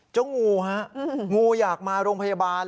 งูฮะงูอยากมาโรงพยาบาล